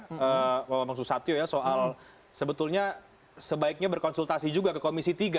ngomong susah tio ya soal sebetulnya sebaiknya berkonsultasi juga ke komisi tiga